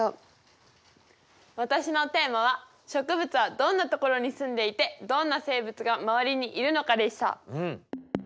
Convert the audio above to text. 私のテーマは「植物はどんなところに住んでいてどんな生物が周りにいるのか」でした。